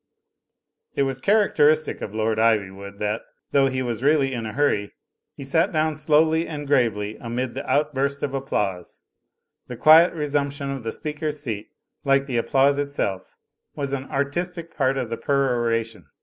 It was characteristic of Lord Iv3nvood that, though he was really in a hurry, he sat down slowly and gfravely amid the outburst of applause. The quiet re stunption of the speaker's seat, like the applause itself, was an artistic part of the peroration.